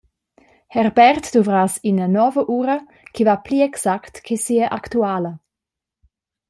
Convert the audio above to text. Herbert duvrass ina nova ura che va pli exact che sia actuala.